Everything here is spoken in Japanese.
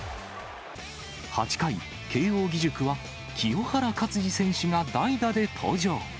８回、慶応義塾は、清原勝児選手が代打で登場。